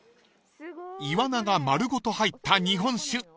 ［イワナが丸ごと入った日本酒］